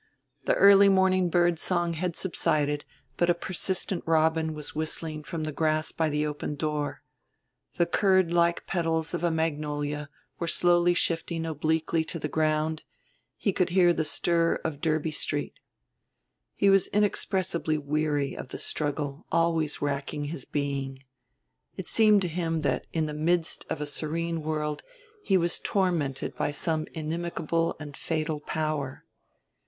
The early morning bird song had subsided, but a persistent robin was whistling from the grass by the open door. The curd like petals of a magnolia were slowly shifting obliquely to the ground, he could hear the stir of Derby Street. He was inexpressibly weary of the struggle always racking his being: it seemed to him that in the midst of a serene world he was tormented by some inimicable and fatal power.